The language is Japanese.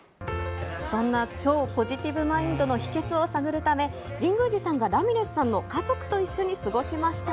そんな超ポジティブマインドの秘けつを探るため、神宮寺さんがラミレスさんの家族と一緒に過ごしました。